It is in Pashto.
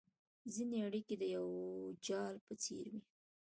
ځیني اړیکي د یو جال په څېر وي